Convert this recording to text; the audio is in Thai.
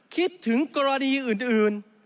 คิดถึงกรณีอื่น